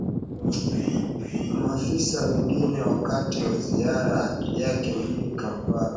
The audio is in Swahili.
na maafisa wengine wakati wa ziara yake mjini kampala